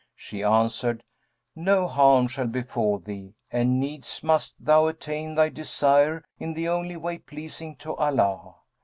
She answered, 'No harm shall befal thee, and needs must thou attain thy desire in the only way pleasing to Allah.